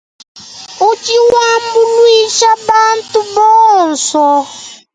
Udi wambuluisha bantu bonso.